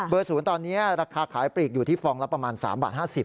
๐ตอนนี้ราคาขายปลีกอยู่ที่ฟองละประมาณ๓บาท๕๐บาท